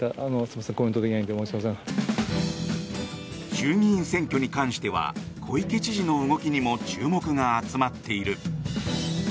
衆議院選挙に関しては小池知事の動きにも注目が集まっている。